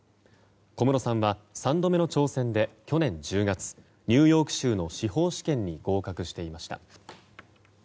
小室さんは３度目の挑戦で去年１０月ニューヨーク州の司法試験に合格していました。